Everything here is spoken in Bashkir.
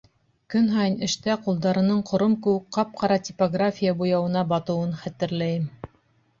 Көн һайын эштә ҡулдарының ҡором кеүек ҡап-ҡара типография буяуына батыуын хәтерләйем.